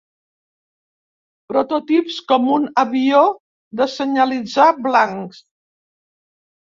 Prototips com un avió de senyalitzar blancs.